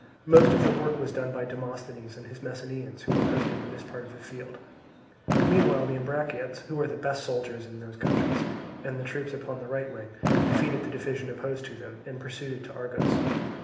Most of the work was done by Demosthenes and his Messenians, who were posted in this part of the field. Meanwhile the Ambraciots (who are the best soldiers in those countries) and the troops upon the right wing, defeated the division opposed to them and pursued it to Argos.